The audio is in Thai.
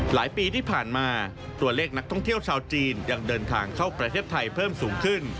ปีที่ผ่านมาตัวเลขนักท่องเที่ยวชาวจีนยังเดินทางเข้าประเทศไทยเพิ่มสูงขึ้น